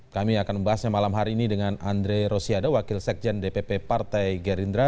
kami akan membahasnya malam hari ini dengan andre rosiade wakil sekjen dpp partai gerindra